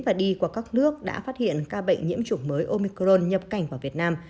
và đi qua các nước đã phát hiện ca bệnh nhiễm chủng mới omicron nhập cảnh vào việt nam